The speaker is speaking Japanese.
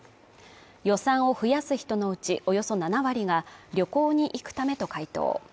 予算を増やす人のうち、およそ７割が旅行に行くためと回答。